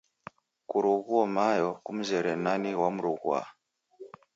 Kuroghuo Mayo. Kumzeraa nani wamroghua?